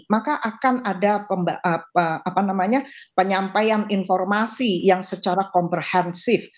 maka akan ada penyampaian informasi yang secara komprehensif